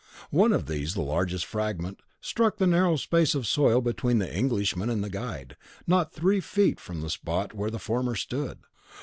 One of these, the largest fragment, struck the narrow space of soil between the Englishmen and the guide, not three feet from the spot where the former stood.